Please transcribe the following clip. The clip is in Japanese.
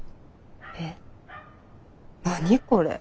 え何これ。